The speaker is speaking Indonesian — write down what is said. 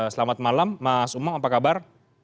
selamat malam mas umam apa kabar